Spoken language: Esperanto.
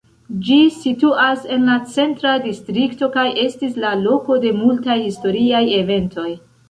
Ĝi situas en la Centra Distrikto kaj estis la loko de multaj historiaj eventoj.